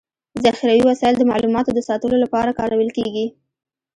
ذخيروي وسایل د معلوماتو د ساتلو لپاره کارول کيږي.